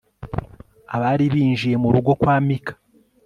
abari binjiye mu rugo kwa mika